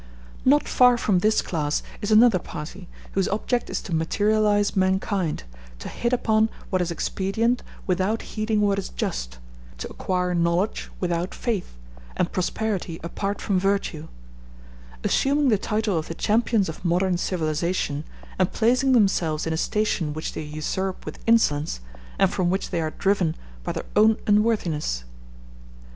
Not far from this class is another party, whose object is to materialize mankind, to hit upon what is expedient without heeding what is just, to acquire knowledge without faith, and prosperity apart from virtue; assuming the title of the champions of modern civilization, and placing themselves in a station which they usurp with insolence, and from which they are driven by their own unworthiness.